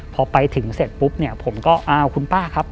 พอไปถึงเสร็จปุ๊บผมก็คุณป้าครับ